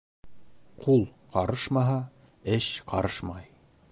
Ҡул ҡарышмаһа, эш ҡарышмай.